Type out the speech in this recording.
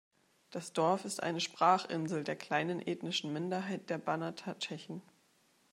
Das Dorf ist eine Sprachinsel der kleinen ethnischen Minderheit der Banater Tschechen.